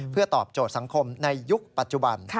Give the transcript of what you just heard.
เพื่อตอบโจทย์สังคมในยุคปัจจุบัน